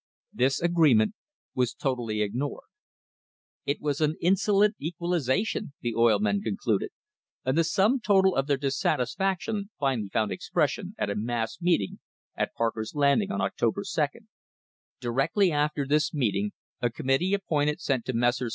This agreement was totally ignored. It was an "insolent equalisation," the oil men concluded, and the sum total of their dissatisfaction finally found expression at a mass meeting at Parker's Land ing, on October 2. Directly after this meeting a committee ap pointed sent to Messrs.